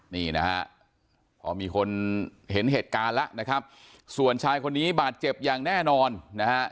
นี่นะฮะพอมีคนเห็นเหตุการณ์แล้วนะครับส่วนชายคนนี้บาดเจ็บอย่างแน่นอนนะฮะ